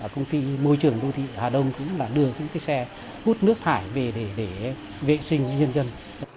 công ty môi trường đô thị hà đông cũng là đưa những cái xe hút nước thải về để vệ sinh nhân dân